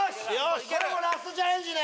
ラストチャレンジね！